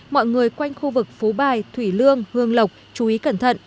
mọi người quanh khu vực phú bài thủy lương hương lộc chú ý cẩn thận